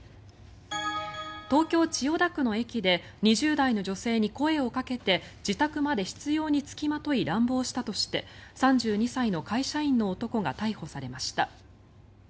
東京・千代田区の駅で２０代の女性に声をかけて自宅まで執ように付きまとい乱暴したとして３２歳の会社員の男が逮捕されました。